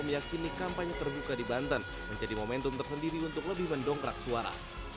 meyakini kampanye terbuka di banten menjadi momentum tersendiri untuk lebih mendongkrak suara